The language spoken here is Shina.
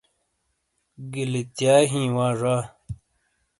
گیلتیا ہیئی وا زا۔